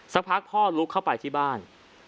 สักพักพ่อลุกเข้าไปที่บ้าน